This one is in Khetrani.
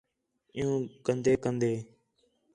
عِیُّوں کندے کندے